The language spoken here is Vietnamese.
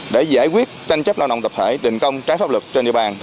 để giải quyết tranh chấp lao động tập thể định công trái pháp lực trên địa bàn